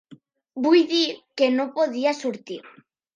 Vull dir que no podia sortir.